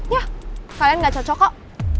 yah kalian gak cocok kok